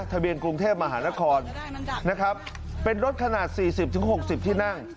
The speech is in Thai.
ทะเบียนกรุงเทพมหานครนะครับเป็นรถขนาดสี่สิบถึงหกสิบที่นั่ง